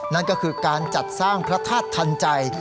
นั่นก็คือการจัดสร้างพระธาตุทันใจ